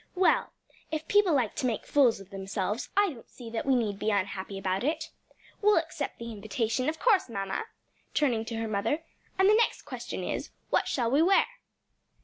Well, if people like to make fools of themselves, I don't see that we need be unhappy about it. We'll accept the invitation, of course, mamma?" turning to her mother; "and the next question is, what shall we wear?"